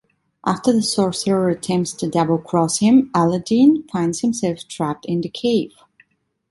After the sorcerer attempts to double-cross him, Aladdin finds himself trapped in the cave.